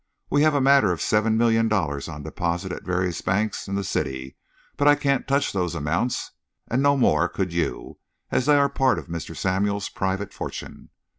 We have a matter of seven million dollars on deposit at various banks in the city, but I can't touch those amounts and no more could you, as they are part of Mr. Samuel's private fortune.